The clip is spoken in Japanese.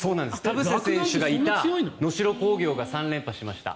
田臥選手がいた能代工業が３連覇しました。